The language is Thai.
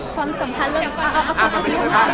ความสัมภาษณ์เรื่อง